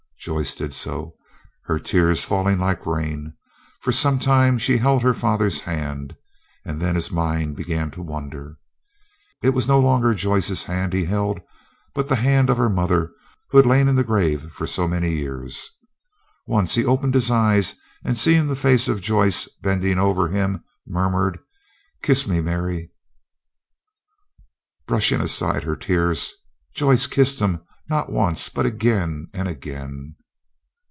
Joyce did so, her tears falling like rain. For some time she held her father's hand, and then his mind began to wander. It was no longer Joyce's hand he held, but the hand of her mother, who had lain in the grave for so many years. Once he opened his eyes, and seeing the face of Joyce bending over him, murmured, "Kiss me, Mary." Brushing aside her tears, Joyce kissed him, not once, but again and again.